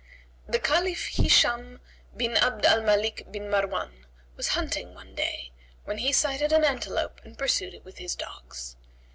The Caliph Hishбm bin Abd al Malik bin Marwan, was hunting one day, when he sighted an antelope and pursued it with his dogs.